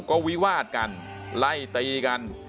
ก็วิวาดกันไล่ตีกัน